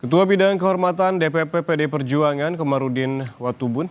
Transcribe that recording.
ketua bidang kehormatan dpp pd perjuangan komarudin watubun